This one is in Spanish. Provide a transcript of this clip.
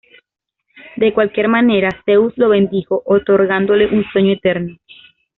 De cualquier manera, Zeus lo bendijo otorgándole un sueño eterno.